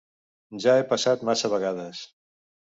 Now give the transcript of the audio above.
-Ja he passat massa vegades.